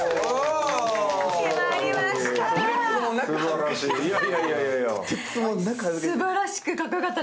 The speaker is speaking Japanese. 決まりました。